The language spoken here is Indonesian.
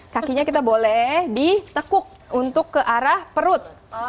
kakinya kita boleh ditekuk untuk ke arah perut